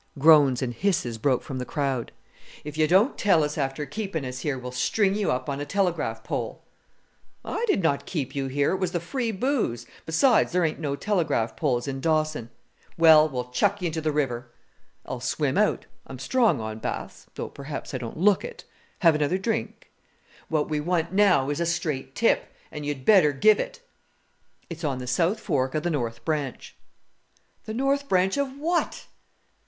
Groans and hisses broke from the crowd. "If you don't tell us after keeping us here we'll string you up on a telegraph pole." "I did not keep you here: it was the free booze; besides, there ain't no telegraph poles in Dawson." "Well we'll chuck you into the river." "I'll swim out: I'm strong on baths though perhaps I don't look it! Have another drink?" "What we want now is a straight tip and you had better give it." "It's on the south fork of the north branch." "The north branch of what?"